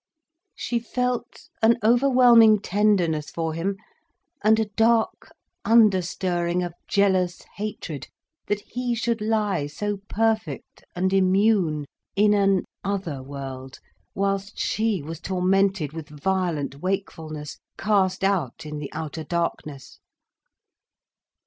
She felt an overwhelming tenderness for him, and a dark, under stirring of jealous hatred, that he should lie so perfect and immune, in an other world, whilst she was tormented with violent wakefulness, cast out in the outer darkness.